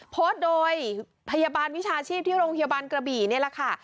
โพสต์โดยพยาบาลวิชาชีพที่โรงพยาบาลกระบี่นี่แหละค่ะ